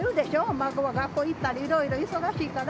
孫が学校に行ったり、いろいろ忙しいから。